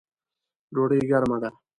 ډوډۍ ګرمه ده